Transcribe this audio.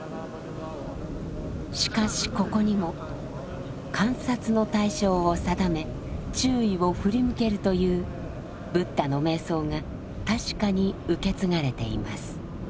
しかしここにも観察の対象を定め注意を振り向けるというブッダの瞑想が確かに受け継がれています。